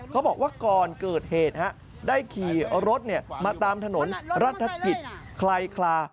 บอกว่าก่อนเกิดเหตุได้ขี่รถมาตามถนนรัฐกิจคลายคลา